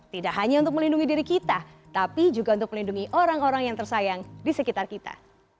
tidak hanya untuk melindungi diri kita tapi juga untuk melindungi orang orang yang tersayang di sekitar kita